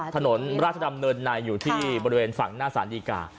ถนนราชดำเนินในอยู่ที่บริเวณฝั่งหน้าสารดีกา